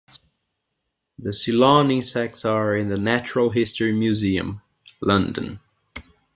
The Ceylon insects are in the Natural History Museum, London.